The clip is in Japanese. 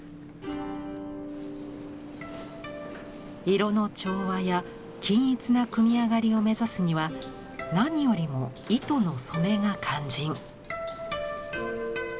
色の調和や均一な組み上がりを目指すには何よりも糸の染めが肝心。